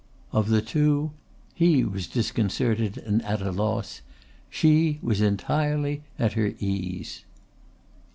Of the two he was disconcerted and at a loss, she was entirely at her ease.